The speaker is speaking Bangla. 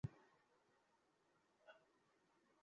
কী ব্যাপার, বেক?